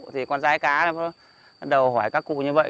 thì con gái cá nó bắt đầu hỏi các cụ như vậy